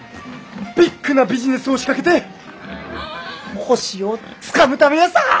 ビッグなビジネスを仕掛けて星をつかむためヤサ！